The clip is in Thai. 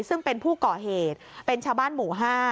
ซึ่งเป็นผู้ก่อเหตุเป็นชาวบ้านหมู่๕